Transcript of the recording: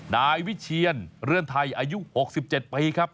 นายวิเชียนเรือนไทยอายุ๖๗ปีครับ